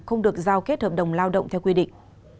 không được giao kết hợp đồng lao động theo quy định